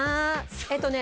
えっとね